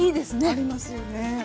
ありますよね。